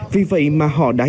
vì vậy mà họ đã